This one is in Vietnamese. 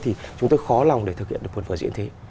thì chúng tôi khó lòng để thực hiện được một vở diễn thế